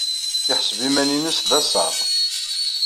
Yeḥseb iman-nnes d asaḍ.